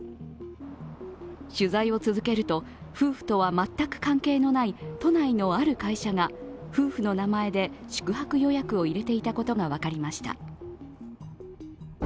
取材を続けると、夫婦とは全く関係のない都内のある会社が夫婦の名前で宿泊予約を入れていたことが分かりました。